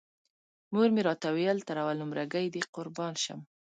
مور مې راته ویل تر اول نمره ګۍ دې قربان شم.